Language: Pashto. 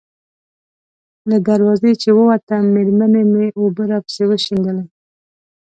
له دروازې چې ووتم، مېرمنې مې اوبه راپسې وشیندلې.